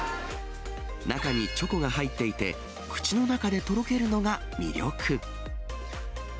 中にチョコが入っていて、口の中でとろけるのが魅力。